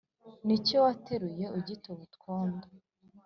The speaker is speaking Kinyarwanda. ni cyo wateruye ugitoba utwondo